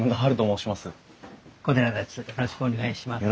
よろしくお願いします。